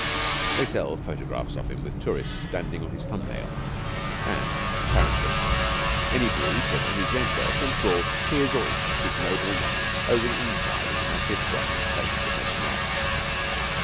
They sell photographs of him with tourists standing on his thumb nail, and, apparently, any brute of any gender can scrawl his or its ignoble name over the inside of the massive bronze plates that build him up.